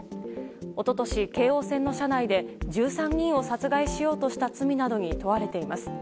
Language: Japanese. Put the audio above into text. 一昨年、京王線の車内で１３人を殺害しようとした罪などに問われています。